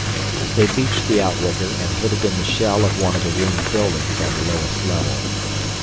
They beached the outrigger and hid it in the shell of one of the ruined buildings on the lowest level.